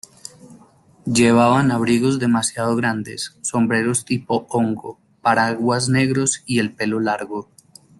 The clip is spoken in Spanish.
Llevaban abrigos demasiado grandes, sombreros tipo hongo, paraguas negros y el pelo largo.